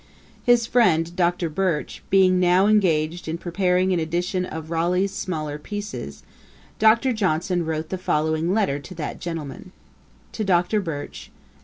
His friend, Dr. Birch, being now engaged in preparing an edition of Ralegh's smaller pieces, Dr. Johnson wrote the following letter to that gentleman: 'To DR. BIRCH.